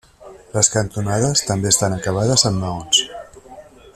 Les cantonades també estan acabades amb maons.